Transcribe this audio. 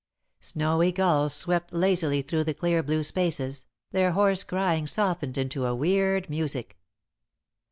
Snowy gulls swept lazily through the clear blue spaces, their hoarse crying softened into a weird music.